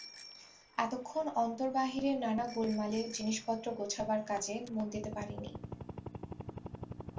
এতক্ষণ অন্তর-বাহিরের নানা গোলমালে জিনিসপত্র গোছাবার কাজে মন দিতে পারি নি।